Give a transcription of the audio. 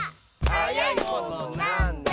「はやいものなんだ？」